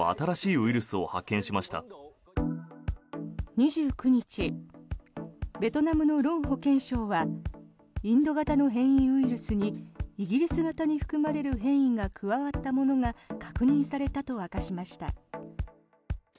２９日ベトナムのロン保健相はインド型の変異ウイルスにイギリス型に含まれる変異が加わったものが確認されたと明かしました。